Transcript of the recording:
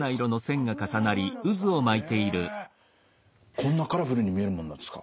こんなカラフルに見えるものなんですか？